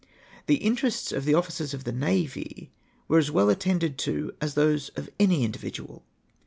The interests of the officers of the navy were as well attended to as those of any individual.